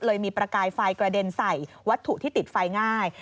เลยมีประกายไฟกระเด็นใส่วัตถุที่ติดไฟง่าย